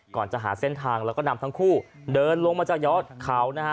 ก่อนจะหาเส้นทางแล้วก็นำทั้งคู่เดินลงมาจากยอดเขานะฮะ